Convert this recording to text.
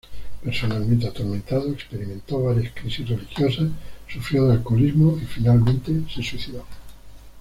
Personalmente atormentado, experimentó varias crisis religiosas, sufrió de alcoholismo y finalmente se suicidó.